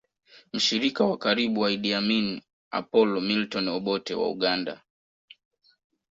Mshirika wa karibu wa Idi Amin Apolo Milton Obote wa Uganda